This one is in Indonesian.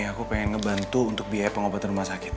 aku pengen ngebantu untuk biaya pengobatan rumah sakit